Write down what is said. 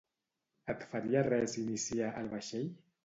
Et faria res iniciar "El vaixell"?